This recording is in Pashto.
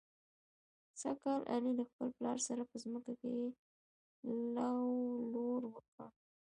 سږ کال علي له خپل پلار سره په ځمکه کې لو لور وکړ.